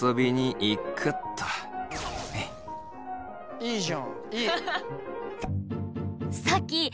いいじゃんいい。